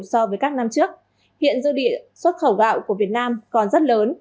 so với các năm trước hiện dư địa xuất khẩu gạo của việt nam còn rất lớn